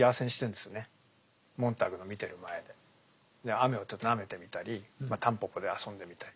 雨をちょっとなめてみたりたんぽぽで遊んでみたり。